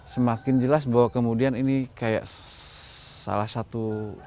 semakin jelas bahwa kemudian ini kayak salah satu